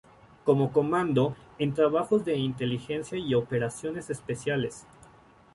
Como comando, en trabajos de Inteligencia y Operaciones Especiales.